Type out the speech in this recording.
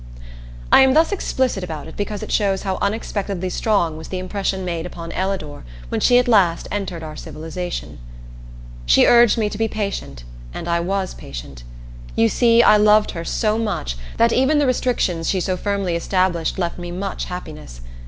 I am thus explicit about it because it shows how unexpectedly strong was the impression made upon Ellador when she at last entered our civilization. She urged me to be patient, and I was patient. You see, I loved her so much that even the restrictions she so firmly established left me much happiness.